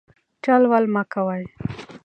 چل ول مه کوئ.